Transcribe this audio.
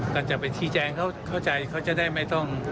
ก็จะไปชี้แจงเขาเข้าใจเขาจะได้ไม่ต้อง